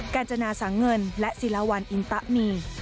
การจนาสังเงินและศิลาวันอินตะมี